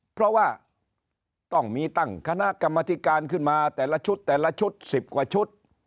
เพราะว่าต้องมีตั้งคณะกรรมธิการขึ้นมาแต่ละชุดแต่ละชุด๑๐กว่าชุด